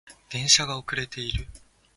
電車が遅れている